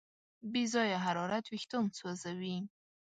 بې ځایه حرارت وېښتيان سوځوي.